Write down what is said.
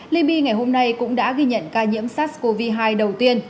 libya ngày hôm nay cũng đã ghi nhận ca nhiễm sars cov hai đầu tiên